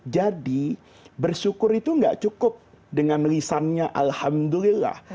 jadi bersyukur itu tidak cukup dengan lisannya alhamdulillah